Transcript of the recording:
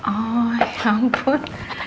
oh ya ampun